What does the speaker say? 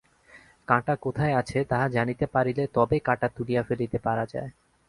কাঁটা কোথায় আছে তাহা জানিতে পারিলে তবে কাঁটা তুলিয়া ফেলিতে পারা যায়।